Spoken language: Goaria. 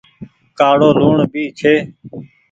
ڪآڙو لوڻ ڀي ڇي۔